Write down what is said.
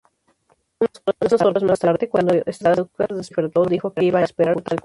Unas horas más tarde, cuando Stauskas despertó, dijo que iba a esperar tal concurso.